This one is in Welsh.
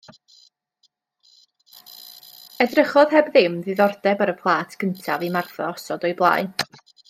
Edrychodd heb ddim diddordeb ar y plât cyntaf i Martha osod o'i blaen.